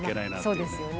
そうですよね。